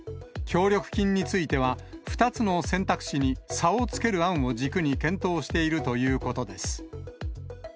協力金については、２つの選択肢に差をつける案を軸に検討しているということです。